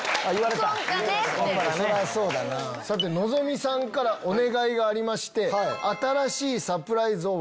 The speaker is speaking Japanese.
さてのぞみさんからお願いがありまして。